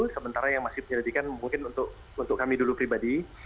sementara yang masih penyelidikan mungkin untuk kami dulu pribadi